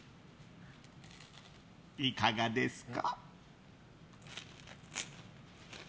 いかがですか？